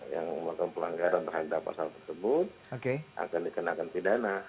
yang melakukan pelanggaran terhadap pasal tersebut akan dikenakan pidana